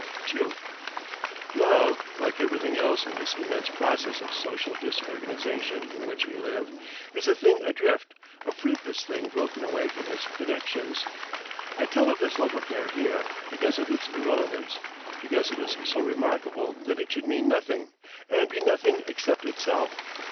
II Love, like everything else in this immense process of social disorganisation in which we live, is a thing adrift, a fruitless thing broken away from its connexions. I tell of this love affair here because of its irrelevance, because it is so remarkable that it should mean nothing, and be nothing except itself.